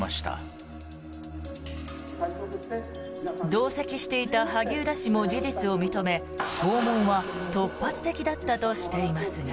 同席していた萩生田氏も事実を認め訪問は突発的だったとしていますが。